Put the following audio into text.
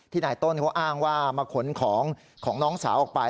นายต้นเขาอ้างว่ามาขนของของน้องสาวออกไป